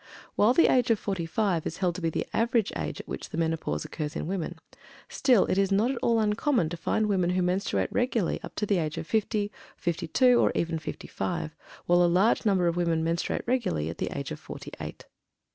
While the age of forty five is held to be the average age at which the Menopause occurs in women, still it is not at all uncommon to find women who menstruate regularly up to the age of fifty, or fifty two, or even fifty five, while a large number of women menstruate regularly at the age of forty eight.